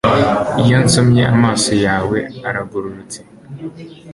iyo nsomye, amaso yawe aragororotse